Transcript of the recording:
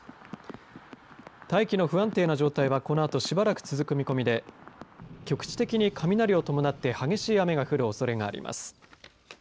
大気の不安定な状態はこのあとしばらく続く見込みで局地的に雷を伴って激しい雨が降るおそれがあります。